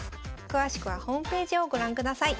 詳しくはホームページをご覧ください。